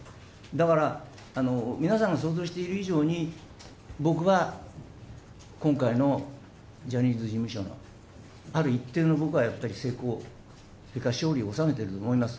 だから皆さんが想像している以上に、僕は今回のジャニーズ事務所の、ある一定の僕はやっぱり成功、それから勝利を収めたと思います。